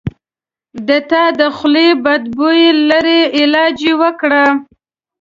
د تا د خولې بد بوي لري علاج یی وکړه